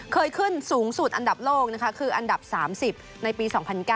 ขึ้นสูงสุดอันดับโลกนะคะคืออันดับ๓๐ในปี๒๐๐๙